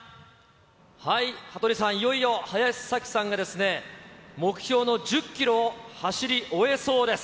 羽鳥さん、いよいよ林咲希さんが目標の１０キロを走り終えそうです。